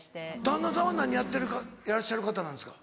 旦那さんは何やってらっしゃる方なんですか？